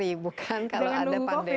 setiap hari bukan kalau ada pandemi